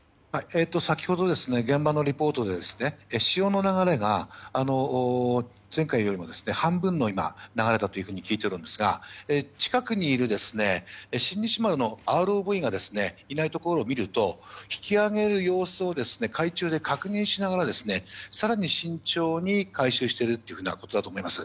先ほど、現場のリポートで潮の流れが前回よりも半分の流れだと聞いているんですが近くにいる「新日丸」のＲＯＶがいないところを見ると引き揚げる様子を海中で確認しながら、更に慎重に回収しているということだと思います。